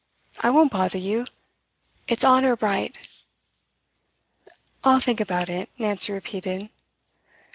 I won't bother you. It's honour bright!' 'I'll think about it,' Nancy repeated.